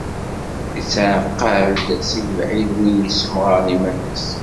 Ittaɛqal-d si lebɛid win yessemɣaren iman-is.